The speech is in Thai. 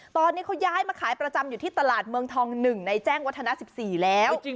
ตอนนี้เขาย้ายมาขายประจำอยู่ที่ตลาดเมืองทอง๑ในแจ้งวัฒนา๑๔แล้ว